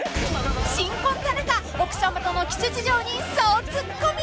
［新婚田中奥さまとのキス事情に総ツッコミ！］